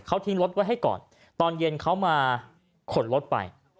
เขาทิ้งรถไว้ให้ก่อนตอนเย็นเขามาขนรถไป